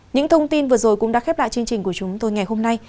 những thông tin vừa rồi cũng đã khép lại chương trình của chúng tôi ngày hôm nay